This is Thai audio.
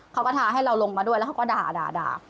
เขาก็ท้าให้เราลงมาด้วยแล้วเขาก็ด่า